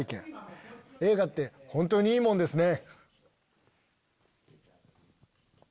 映画って本当にいいもんですね。